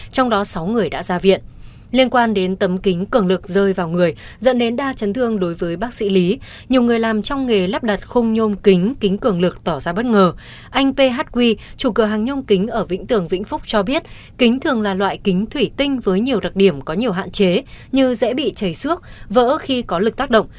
chủ cửa hàng nhông kính ở vĩnh tường vĩnh phúc cho biết kính thường là loại kính thủy tinh với nhiều đặc điểm có nhiều hạn chế như dễ bị chảy xước vỡ khi có lực tác động